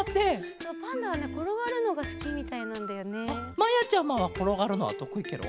まやちゃまはころがるのはとくいケロ？